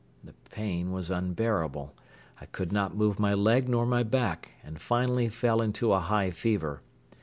The pain was unbearable. I could not move my leg nor my back and finally fell into a high fever.